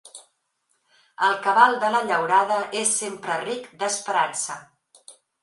El cabal de la llaurada és sempre ric d'esperança.